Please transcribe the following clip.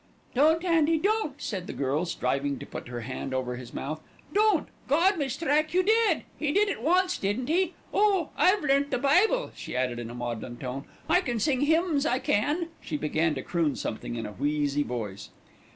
"Don't, Andy, don't!" said the girl, striving to put her hand over his mouth. "Don't! God may strike you dead. He did it once, didn't He? Oh! I've learnt the Bible," she added in a maudlin tone. "I can sing hymns, I can." She began to croon something in a wheezy voice.